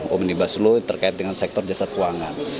omnibus law terkait dengan sektor jasa keuangan